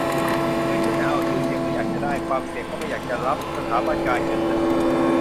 เงินก็จะเอา ชื่อเสียงก็อยากจะได้ ความเสี่ยงก็ไม่อยากจะรับ สถาบันการเงินน่ะ